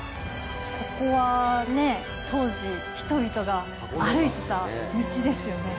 ここはね、当時、人々が歩いてた道ですよね。